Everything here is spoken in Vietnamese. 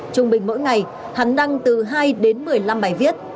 trung bình mỗi ngày hắn đăng từ hai đến một mươi năm bài viết